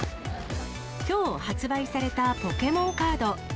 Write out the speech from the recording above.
きょう発売されたポケモンカード。